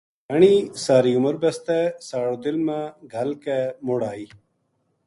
دھیانی ساری عمر بَسطے ساڑو دل ما گھل کے مڑ اَئی